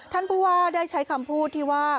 ท่านผู้ว่าได้ใช้คำพูดที่ว่า